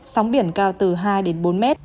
sóng biển cao từ hai đến bốn mét